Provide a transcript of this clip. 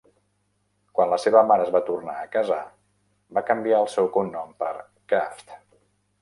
Quan la seva mare es va tornar a casar, va canviar el seu cognom per "Kraft".